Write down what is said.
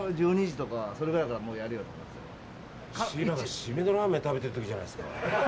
締めのラーメン食べてる時じゃないですか。